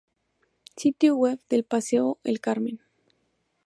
Sitio Web del Paseo El Carmen